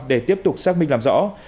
để tiếp tục xác minh làm rõ